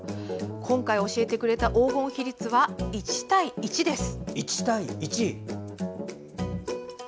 今回教えてくれた黄金比率は１対１です。